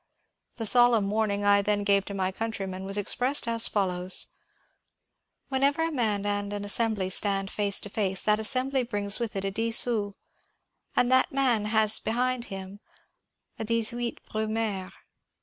The solemn warning I then gave to my countrymen was ex pressed as follows :^^ Whenever a man and an Assembly stand face to face, that Assembly brings with it a 10 Aout, and that man has behind him an 18 Brumaire."